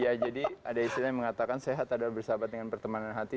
ya jadi ada istilah yang mengatakan sehat adalah bersahabat dengan pertemanan hati